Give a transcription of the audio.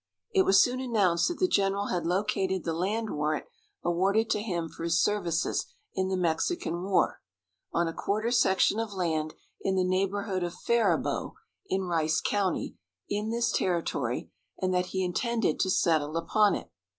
It was soon announced that the general had located the land warrant awarded to him for his services in the Mexican War, on a quarter section of land in the neighborhood of Faribault, in Rice county, in this territory, and that he intended to settle upon it.